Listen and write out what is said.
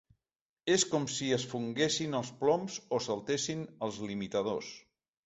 És com si es fonguessin els ploms o saltessin els limitadors.